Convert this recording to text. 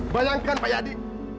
bayangkan pak yadi